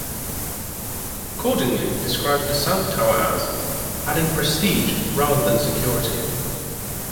Cordingley describes the south tower as "adding prestige rather than security".